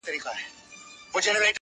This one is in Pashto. چي زما پیاله راله نسکوره له آسمانه سوله!